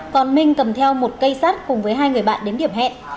còn minh cầm theo một cây sát cùng với hai người bạn đến điểm hẹn